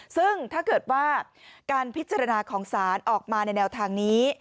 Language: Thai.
ซึ่งถ้าเกิดว่าการพิจารณาของศาลออกมาในแนวทางนี้